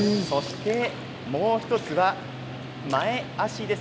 もう１つは小林です。